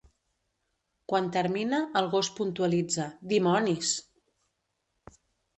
Quan termina, el gos puntualitza: "Dimonis!".